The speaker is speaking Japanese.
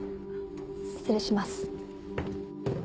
失礼します。